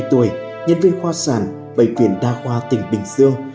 ba mươi tuổi nhân viên khoa sản bệnh viện đa khoa tỉnh bình dương